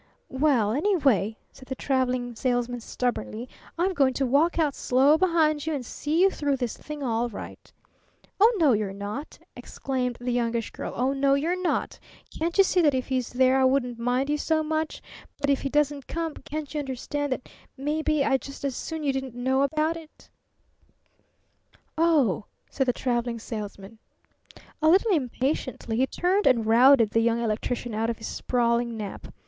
"Well, anyway," said the Traveling Salesman stubbornly, "I'm going to walk out slow behind you and see you through this thing all right." "Oh, no, you're not!" exclaimed the Youngish Girl. "Oh, no, you're not! Can't you see that if he's there, I wouldn't mind you so much; but if he doesn't come, can't you understand that maybe I'd just as soon you didn't know about it?" "O h," said the Traveling Salesman. A little impatiently he turned and routed the Young Electrician out of his sprawling nap.